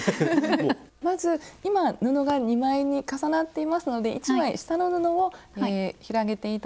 まず今布が２枚に重なっていますので１枚下の布を広げて頂いて。